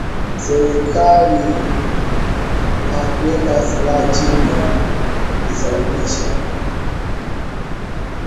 serikali la kuweka silaha chini na kujisalimisha